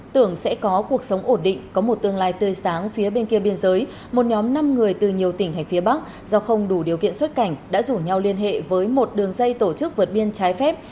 tưởng sẽ có cuộc sống ổn định có một tương lai tươi sáng phía bên kia biên giới một nhóm năm người từ nhiều tỉnh hành phía bắc do không đủ điều kiện xuất cảnh đã rủ nhau liên hệ với một đường dây tổ chức vượt biên trái phép